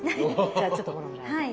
じゃあちょっとこのぐらい。